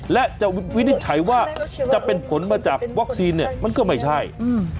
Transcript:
และจะวินิจฉัยว่าจะเป็นผลมาจากวัคซีนเนี่ยมันก็ไม่ใช่อืม